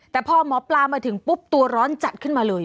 แต่พอหมอปลามาถึงปุ๊บตัวร้อนจัดขึ้นมาเลย